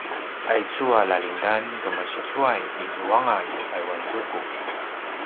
aicu a lalingdan kemasicuay izuanga i payuanzuku